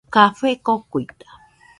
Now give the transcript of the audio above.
Café kokuita.